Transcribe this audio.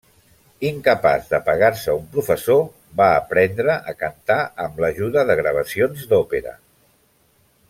Incapaç de pagar-se un professor, va aprendre a cantar amb l'ajuda de gravacions d'òpera.